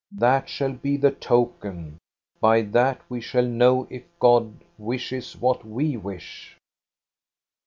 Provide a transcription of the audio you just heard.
That shall be the token ; by that we shall know if God wishes what we wish."